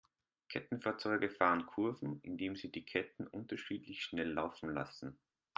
Kettenfahrzeuge fahren Kurven, indem sie die Ketten unterschiedlich schnell laufen lassen.